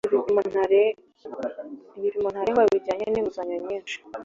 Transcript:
ibipimo ntarengwa bijyanye n inguzanyo nyinshi